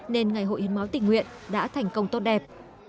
nên ngày hội hiến máu tình nguyện đã thành công tốt đẹp